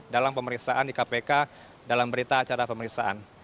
dalam pemeriksaan di kpk dalam berita acara pemeriksaan